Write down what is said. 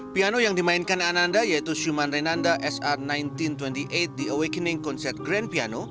piano yang dimainkan ananda yaitu schumann renanda sr seribu sembilan ratus dua puluh delapan the awakening concert grand piano